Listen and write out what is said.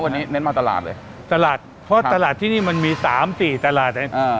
วันนี้เน้นมาตลาดเลยตลาดเพราะตลาดที่นี่มันมีสามสี่ตลาดเลยอ่า